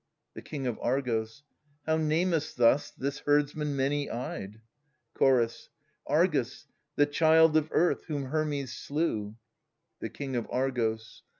The King of Argos. How namest thou this herdsman many eyed ? Chorus. Argus, the child of Earth, whom Hermes slew. f The King of Argos.